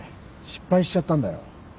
失敗しちゃったんだよ。